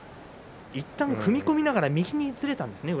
いったん踏み込みながら右にずれたんですね